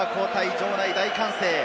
場内大歓声。